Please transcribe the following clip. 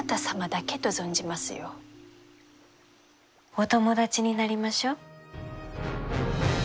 お友達になりましょう。